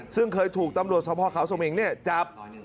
ซึ่งเคยถูกตำรวจทหกเคราะห์เขาสมิงเนี่ย